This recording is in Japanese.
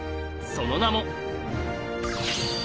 その名も。